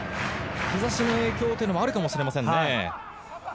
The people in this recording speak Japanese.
日差しの影響もあるかもしれませんね。